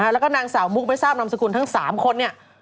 แล้วก็นางสาวมุกไม่ทราบนามสกุลทั้ง๓คนเนี่ย